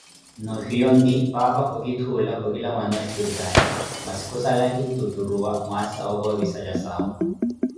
noofiya onti, paapa kukitthuula khukilawana oshiripitaali, masi kusala ki tuturuwa mwaasa wa okoopisa jasau.